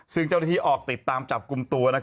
ซึ่งเจ้าหน้าที่ออกติดตามจับกลุ่มตัว